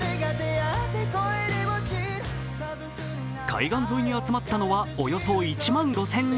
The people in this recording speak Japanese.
海岸沿いに集まったのはおよそ１万５０００人。